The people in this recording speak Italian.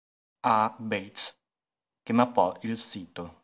A. Bates, che mappò il sito.